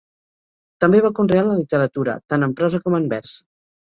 També va conrear la literatura, tant en prosa com en vers.